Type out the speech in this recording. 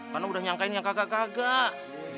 karena udah nyangkain yang kagak kagak